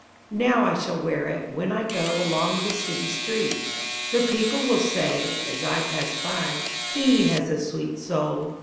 Now I shall wear itWhen I goAlong the city streets:The people will sayAs I pass by—"He has a sweet soul!"